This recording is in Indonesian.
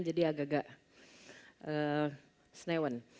jadi agak agak snewen